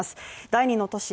第２の都市